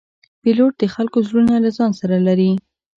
پیلوټ د خلکو زړونه له ځان سره لري.